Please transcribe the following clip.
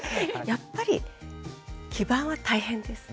やっぱり基盤は大変です。